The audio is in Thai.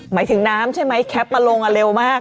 หมายถึงน้ำใช่ไหมแคปมาลงเร็วมาก